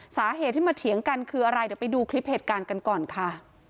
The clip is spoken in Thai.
สาเหตุที่มาเถียงกันคืออะไรเดี๋ยวไปดูคลิปเหตุการณ์กันก่อนค่ะ